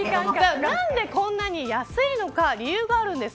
何でこんなに安いのか理由があります。